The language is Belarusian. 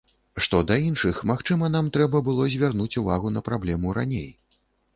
Што да іншых, магчыма, нам трэба было звярнуць увагу на праблему раней.